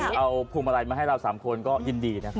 ถ้าไปเอาภูมิมาลัยมาให้เรา๓คนก็ยินดีนะครับ